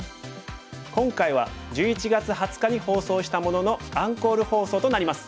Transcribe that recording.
今回は１１月２０日に放送したもののアンコール放送となります。